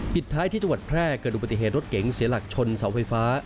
ท้ายที่จังหวัดแพร่เกิดอุบัติเหตุรถเก๋งเสียหลักชนเสาไฟฟ้า